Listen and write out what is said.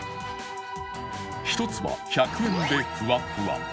一つは１００円でふわふわ